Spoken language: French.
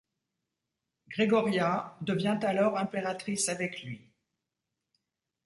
Gregoria devient alors impératrice avec lui.